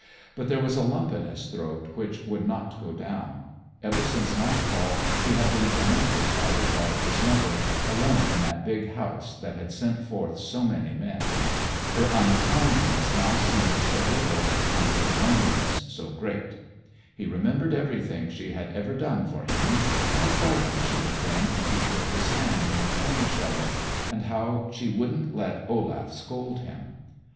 But there was a lump in his throat which would not go down. Ever since nightfall he had been tormented by the thought of his mother, alone in that big house that had sent forth so many men. Her unkindness now seemed so little, and her loneliness so great. He remembered everything she had ever done for him: how frightened she had been when he tore his hand in the corn sheller, and how she wouldn't let Olaf scold him.